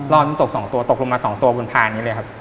รอดมันตก๒ตัวตกลงมา๒ตัวคือผ่านอย่างนี้เลยครับ